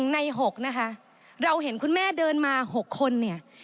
ใน๖นะคะเราเห็นคุณแม่เดินมา๖คนเนี่ย